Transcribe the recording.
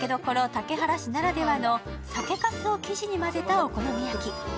竹原市ならではの酒かすを生地に混ぜたお好み焼き。